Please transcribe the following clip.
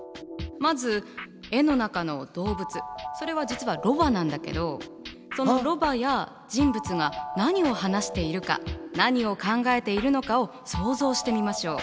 まず絵の中の動物それは実はロバなんだけどそのロバや人物が何を話しているか何を考えているのかを想像してみましょう。